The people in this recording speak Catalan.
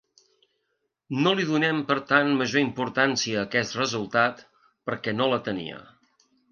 No li donem per tant major importància a aquest resultat, perquè no la tenia.